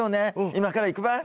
今から行くばい。